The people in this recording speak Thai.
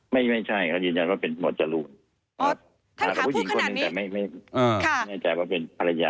ไม่ใช่เขายืนยันว่าเป็นหมัวจรุน